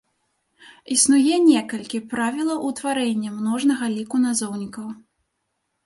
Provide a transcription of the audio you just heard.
Існуе некалькі правілаў утварэння множнага ліку назоўнікаў.